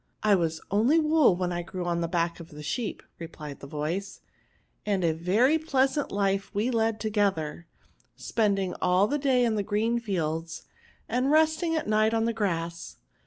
" I Was only wool when I grew on the back of the sheep/* replied the voice ;" and a very pleasant life we led together^ spending all the day in the green fields^ and resting at night on the grass.